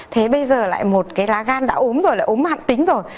thế bây giờ lại một cái lá gan đã ốm rồi là ốm mạng tính rồi